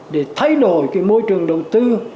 để thay đổi môi trường đầu tư